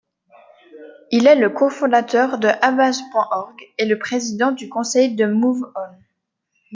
Il est le cofondateur de Avaaz.org et le président du conseil de MoveOn.